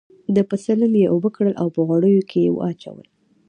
د پسه لم یې اوبه کړل او په غوړیو کې یې واچول.